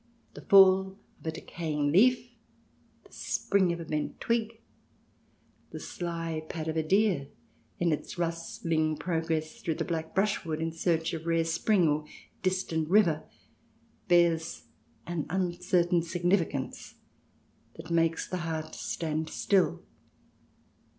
The fall of a decaying leaf, the spring of a bent twig, the sly pad of a deer in its rustling progress through the black brushwood in search of rare spring or distant river, bears an uncertain significance that makes the heart stand still.